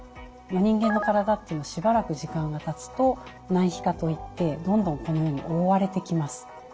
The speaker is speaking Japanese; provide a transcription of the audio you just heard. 人間の体っていうのはしばらく時間がたつと内皮化といってどんどんこのように覆われてきます。